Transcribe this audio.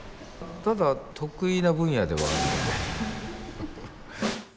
ただ得意な分野ではあるので。